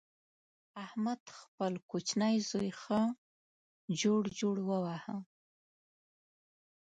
احمد خپل کوچنۍ زوی ښه جوړ جوړ وواهه.